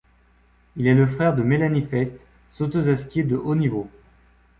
Il est le frère de Melanie Faisst, sauteuse à ski de haut niveau.